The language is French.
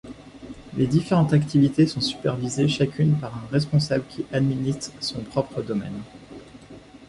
Les différentes activités sont supervisées chacune par un responsable qui administre son propre domaine.